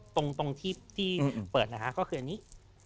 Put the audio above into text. ตรงที่เปิดนะฮะก็คืออันนี้